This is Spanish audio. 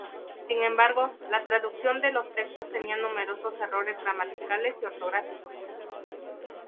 Sin embargo, la traducción de los textos tenía numerosos errores gramaticales y ortográficos.